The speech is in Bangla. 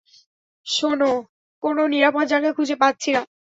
শোনো, কোনো নিরাপদ জায়গা খুঁজে পাচ্ছি না।